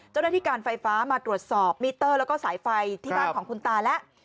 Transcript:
เจ้าหน้าที่การไฟฟ้ามาตรวจสอบมิเตอร์แล้วก็สายไฟที่บ้านของคุณตาแล้ว